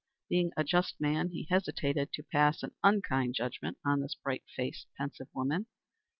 Being a just man, he hesitated to pass an unkind judgment on this bright faced, pensive woman.